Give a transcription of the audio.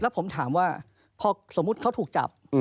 ผมถามว่าพอสมมุติเขาถูกจับ